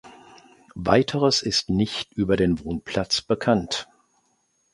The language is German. Weiteres ist nicht über den Wohnplatz bekannt.